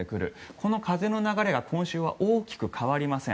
この風の流れが今週は大きく変わりません。